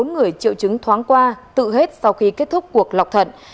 bốn người triệu chứng thoáng qua tự hết sau khi kết thúc cuộc lọc thận